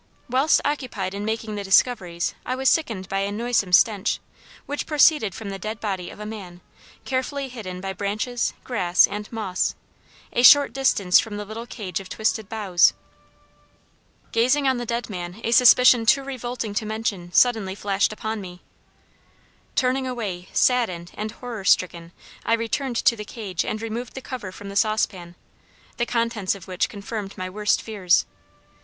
Whilst occupied in making the discoveries I was sickened by a noisome stench, which proceeded from the dead body of a man, carefully hidden by branches, grass, and moss, a short distance from the little cage of twisted boughs. Gazing on the dead man a suspicion too revolting to mention suddenly flashed upon me. Turning away saddened and horror stricken, I returned to the cage and removed the cover from the saucepan, the contents of which confirmed my worst fears.